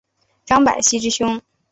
张百熙之兄。